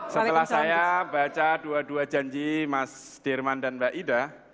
setelah saya baca dua dua janji mas dirman dan mbak ida